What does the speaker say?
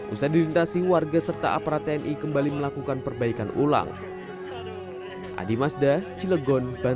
usai dilintasi warga serta aparat tni kembali melakukan perbaikan ulang